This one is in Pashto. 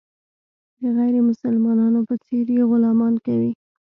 د غیر مسلمانانو په څېر یې غلامان کوي.